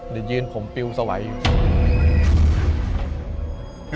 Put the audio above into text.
เดี๋ยวยืนผมปิวสวัยอยู่